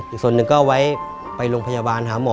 อีกส่วนหนึ่งก็เอาไว้ไปโรงพยาบาลนะครับ